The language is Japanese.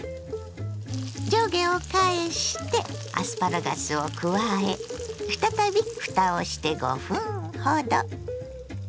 上下を返してアスパラガスを加え再びふたをして５分ほど。